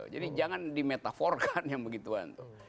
jadi jangan dimetaforkan yang begituan